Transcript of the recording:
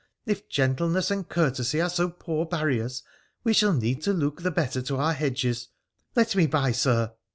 — if gentleness and courtesy are so poor barriers, we shall need to look the better to our hedges — let me by, Sir